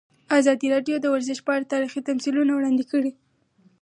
ازادي راډیو د ورزش په اړه تاریخي تمثیلونه وړاندې کړي.